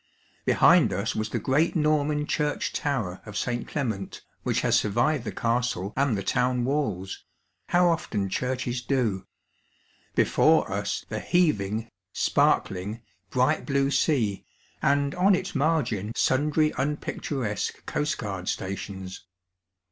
Behind us ^^|bi the great Norman church tower of St. Clement^ which has anrvived the castle and the town walls (how often churches do !), before us the heaving, sparkling, bright blue sea, and on its margin sundry unpicturesque coast guard stations.